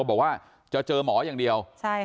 บอกว่าจะเจอหมออย่างเดียว